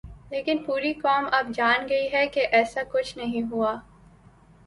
لیکن پوری قوم اب جان گئی ہے کہ ایسا کچھ نہیں ہوا۔